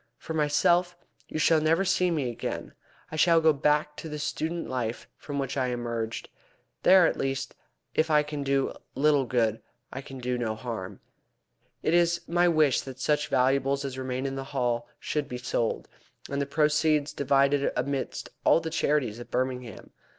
For myself, you shall never see me again. I shall go back to the student life from which I emerged. There, at least, if I can do little good, I can do no harm. It is my wish that such valuables as remain in the Hall should be sold, and the proceeds divided amidst all the charities of Birmingham.